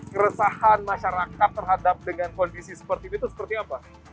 keresahan masyarakat terhadap dengan kondisi seperti ini itu seperti apa